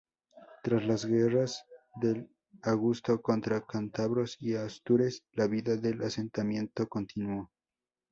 Tras las guerras de Augusto contra cántabros y astures la vida del asentamiento continuó.